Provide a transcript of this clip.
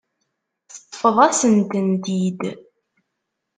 Teṭṭfeḍ-asent-tent-id.